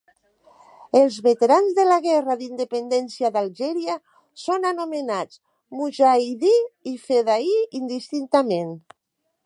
Els veterans de la guerra d'independència d'Algèria són anomenats mujahidí i fedaí indistintament.